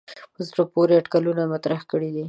په زړه پورې اټکلونه مطرح کړي دي.